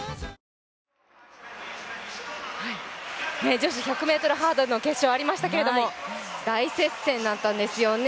女子１００ｍハードルの決勝ありましたけれども大接戦だったんですよね。